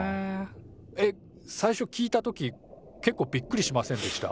えっ最初聞いた時けっこうびっくりしませんでした？